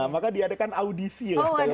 maka diadakan audisi